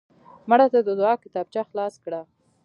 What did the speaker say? مړه ته د دعا کتابچه خلاص کړه